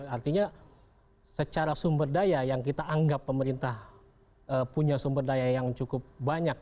artinya secara sumber daya yang kita anggap pemerintah punya sumber daya yang cukup banyak